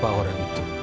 kenapa orang itu